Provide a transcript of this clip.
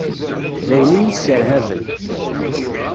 D ayen i y-isserhaben.